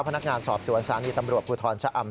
พนักงานสอบสวนสารีตำรวจภูทรชะอำ